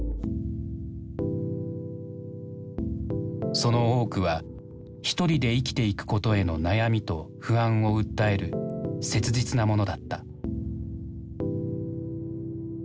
その多くはひとりで生きていくことへの悩みと不安を訴える切実なものだった。